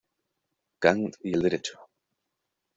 Kant y el derecho.